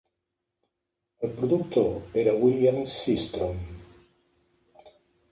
El productor era William Sistrom.